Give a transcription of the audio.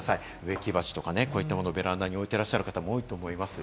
植木鉢、こういったものをベランダに置いてる方も多いと思います。